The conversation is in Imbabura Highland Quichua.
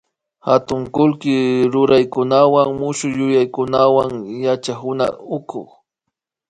katun kullki ruraykunawan mushukyuyaykunawan yachakuna uku